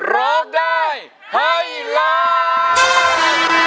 ร้องได้ให้ล้าน